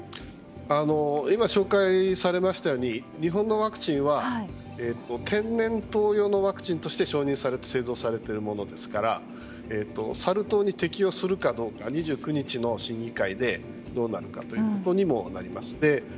今、紹介されましたように日本のワクチンは天然痘用のワクチンとして製造されているものですからサル痘に適用するかどうか２９日の審議会でどうなるかということになります。